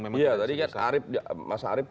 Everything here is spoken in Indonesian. memang tidak disesuaikan iya tadi kan mas arief